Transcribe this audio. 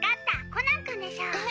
コナン君でしょ？え？